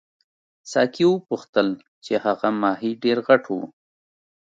ساقي وپوښتل چې هغه ماهي ډېر غټ وو.